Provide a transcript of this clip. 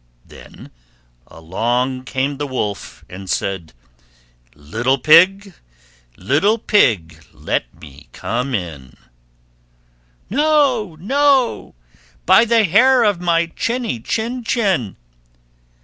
Then along came the Wolf and said, "Little Pig, little Pig, let me come in." "No, no, by the hair of my chinny chin chin."